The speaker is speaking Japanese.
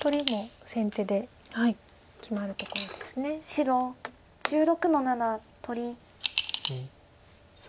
白１６の七取り。